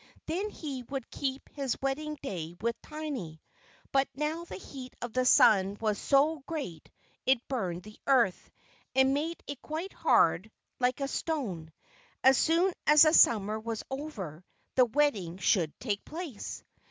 Then he would keep his wedding day with Tiny. But now the heat of the sun was so great that it burned the earth, and made it quite hard, like a stone. As soon as the Summer was over, the wedding should take place.